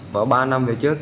và ba năm về trước